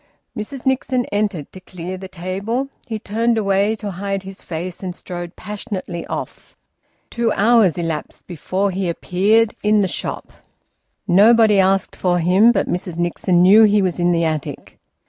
Mrs Nixon entered to clear the table. He turned away to hide his face, and strode passionately off. Two hours elapsed before he appeared in the shop. Nobody asked for him, but Mrs Nixon knew he was in the attic.